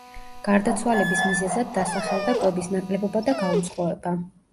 გარდაცვალების მიზეზად დასახელდა კვების ნაკლებობა და გაუწყლოება.